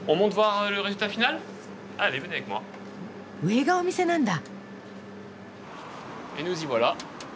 上がお店なんだ。